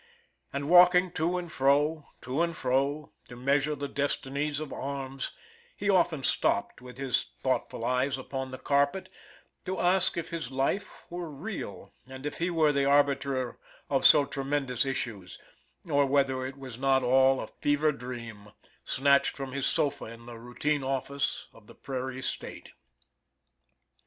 And walking to and fro, to and fro, to measure the destinies of arms, he often stopped, with his thoughtful eyes upon the carpet, to ask if his life were real and if he were the arbiter of so tremendous issues, or whether it was not all a fever dream, snatched from his sofa in the routine office of the Prairie state.